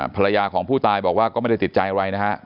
ภรรยาของผู้ตายบอกว่าก็ไม่ได้ติดใจอะไรนะฮะ